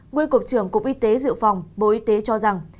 nguyên cục trưởng cục y tế dự phòng bộ y tế cho rằng